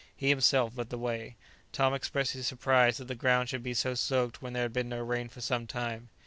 He himself led the way. Tom expressed his surprise that the ground should be so soaked when there had been no rain for some time.